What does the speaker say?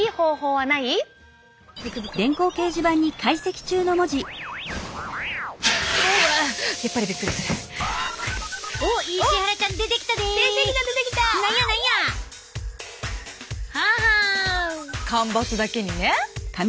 ははん干ばつだけにね。